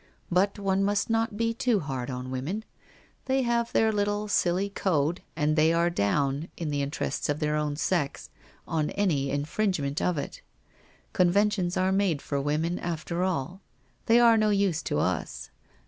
But one must not be too hard on women. They have their little, silly code, and they are down, in the interests of their own sex, on any infringement of it. Conventions are made for women, after all. They are no use to us.